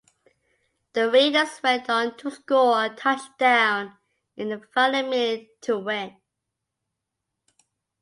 The Raiders went on to score a touchdown in the final minute to win.